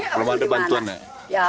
belum ada bantuan ya